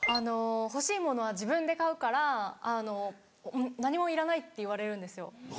欲しいものは自分で買うから何もいらないって言われるんですよ。